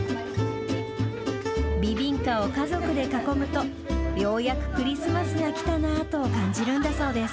ビビンカを家族で囲むと、ようやくクリスマスが来たなと感じるんだそうです。